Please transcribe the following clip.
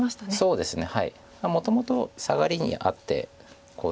そうですね。